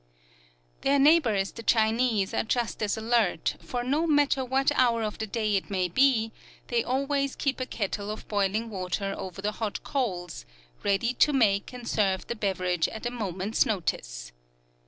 Their neighbors, the Chinese, are just as alert; for no matter what hour of the day it may be, they always keep a kettle of boiling water over the hot coals, ready to make and serve the beverage at a moment's notice.